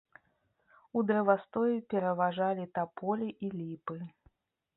У дрэвастоі пераважалі таполі і ліпы.